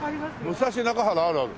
武蔵中原あるある。